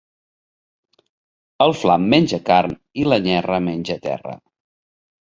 El Flam menja carn i la Nyerra menja terra.